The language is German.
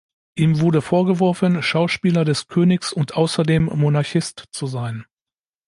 Ihm wurde vorgeworfen Schauspieler des Königs und außerdem Monarchist zu sein.